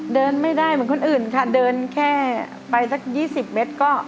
เดินไม่ได้เหมือนคนอื่นค่ะเดินแค่ไปสัก๒๐เมตรก็